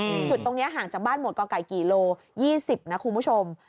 จุดตรงเนี้ยห่างจากบ้านหมวดก่อไก่กี่โลยี่สิบนะคุณผู้ชม